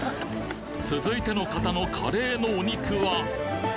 続いての方のカレーのお肉は？